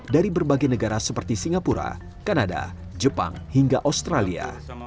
dari berbagai negara seperti singapura kanada jepang hingga australia